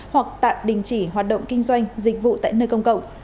hoặc tạm đình chỉ hoạt động kinh doanh dịch vụ tại nơi công cộng